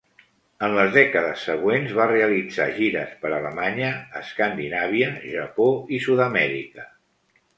En les dècades següents va realitzar gires per Alemanya, Escandinàvia, Japó i Sud-amèrica.